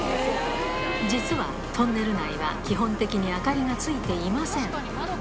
実はトンネル内は基本的に明かりがついていません